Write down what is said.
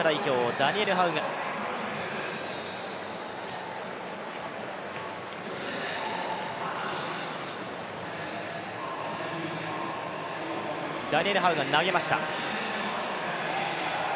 ダニエル・ハウが投げました。